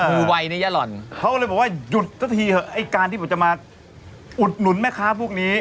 อือเขาเลยบอกว่าหยุดซะทีเหอะไอ้กาลที่บอกจะมาอุดหนุนแม่ค้าพวกนี้